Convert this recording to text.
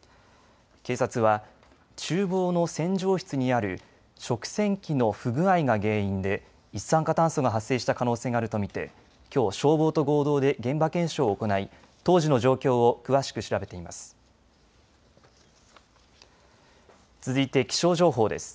警察はちゅう房の洗浄室にある食洗機の不具合が原因で一酸化炭素が発生した可能性があると見てきょう消防と合同で現場検証を行い当時の状況を詳しく調べています。